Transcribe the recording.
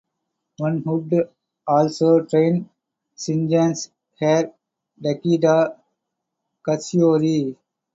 One could also train Shingen's heir, Takeda Katsuyori.